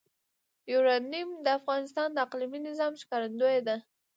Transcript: یورانیم د افغانستان د اقلیمي نظام ښکارندوی ده.